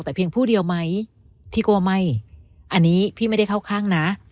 แต่เพียงผู้เดียวไหมพี่กลัวไม่อันนี้พี่ไม่ได้เข้าข้างนะ